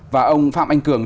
và ông phạm anh cường